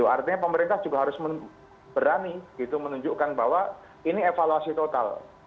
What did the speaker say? artinya pemerintah juga harus berani menunjukkan bahwa ini evaluasi total